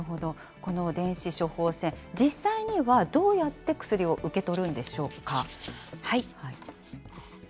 この電子処方箋、実際にはどうやって薬を受け取るんでしょうか。